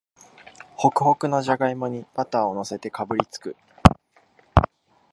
ホクホクのじゃがいもにバターをのせてかぶりつく